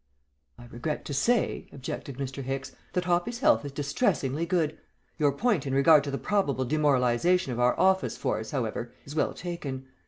"I regret to say," objected Mr. Hicks, "that Hoppy's health is distressingly good. Your point in regard to the probable demoralization of our office force, however, is well taken.